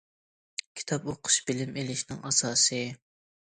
كىتاب ئوقۇش بىلىم ئېلىشنىڭ ئاساسى.